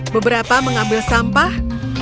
beberapa mengambil sampah